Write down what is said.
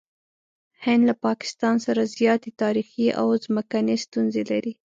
هند له پاکستان سره زیاتې تاریخي او ځمکني ستونزې لري.